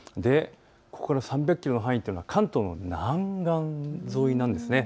ここから３００キロの範囲というのは関東の南岸沿いなんです。